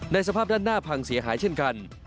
สภาพด้านหน้าพังเสียหายเช่นกัน